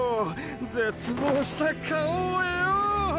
絶望した顔をよ！